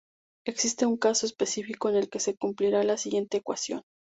Existe un caso específico en el que se cumplirá la siguiente ecuación.